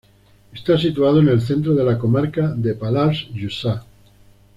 Está situado en el centro de la comarca del Pallars Jussá.